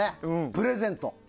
プレゼント